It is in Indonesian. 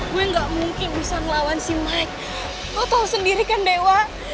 gue nggak mungkin bisa ngelawan si mike lo tau sendiri kan dewa